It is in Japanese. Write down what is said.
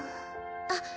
あ。